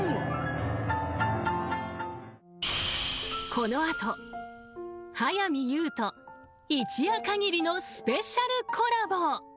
［この後早見優と一夜限りのスペシャルコラボ］